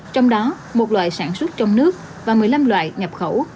trong đó một loại sản xuất trong nước và một mươi năm loại nhập khẩu